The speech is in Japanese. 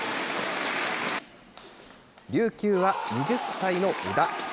琉球は２０歳の宇田。